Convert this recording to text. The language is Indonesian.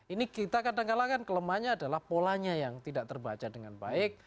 ini kita kadang kadang kan kelemahannya adalah polanya yang tidak terbaca dengan baik